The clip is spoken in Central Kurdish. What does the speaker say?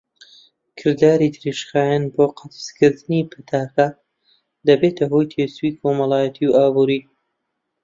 کرداری درێژخایەن بۆ قەتیسکردنی پەتاکە دەبێتە هۆی تێچووی کۆمەڵایەتی و ئابووری.